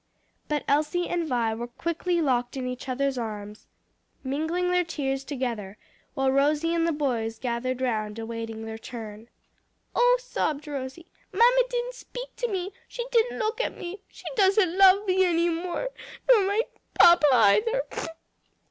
But Elsie and Vi were quickly locked in each other's arms, mingling their tears together, while Rosie and the boys gathered round, awaiting their turn. "Oh!" sobbed Rosie, "mamma didn't speak to me; she didn't look at me; she doesn't love me any more; nor my papa either."